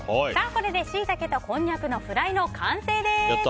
これでシイタケとこんにゃくのフライの完成です。